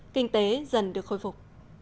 kinh tế dần được khôi phục